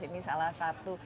ini salah satu